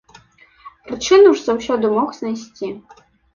Прычыну ж заўсёды мог знайсці.